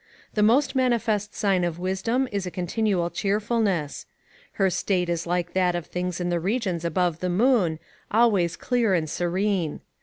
The most manifest sign of wisdom is a continual cheerfulness; her state is like that of things in the regions above the moon, always clear and serene.